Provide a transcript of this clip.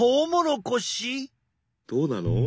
どうなの？